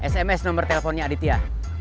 sms nomer teleponnya aditya